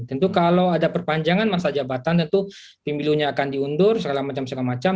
tentu kalau ada perpanjangan masa jabatan tentu pemilunya akan diundur segala macam segala macam